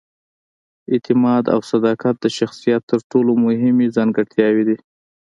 اعتماد او صداقت د شخصیت تر ټولو مهمې ځانګړتیاوې دي.